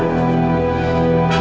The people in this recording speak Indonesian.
ndra kamu udah nangis